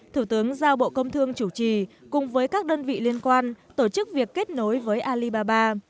thủ tướng giao bộ công thương chủ trì cùng với các đơn vị liên quan tổ chức việc kết nối với alibaba